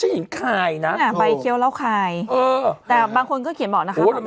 ฉันเห็นคายน่ะน่ะใบเคี้ยวเราคายเออแต่บางคนก็เขียนเหมาะนะคะ